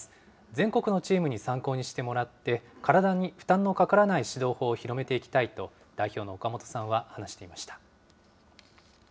全国のチームに参考にしてもらって、体に負担のかからない指導法を広めていきたいと、代表の岡本さんは話していました。